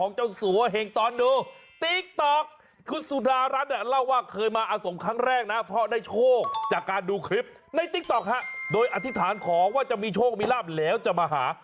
ในติ๊กต๊อกโดยอธิษฐานขอว่าจะมีโชคมีราบแล้วจะมาหา